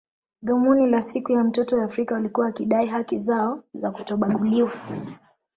Dhumuni la siku ya mtoto wa Afrika walikuwa wakidai haki zao za kutobaguliwa